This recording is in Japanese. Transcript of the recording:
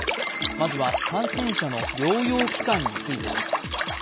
まずは感染者の療養期間についてです。